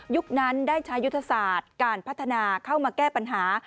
นั้นได้ใช้ยุทธศาสตร์การพัฒนาเข้ามาแก้ปัญหา